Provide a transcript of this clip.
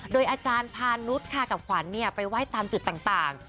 โดยอาจารย์พานุษย์ค่ะกับขวัญไปไหว้ตามจุดต่าง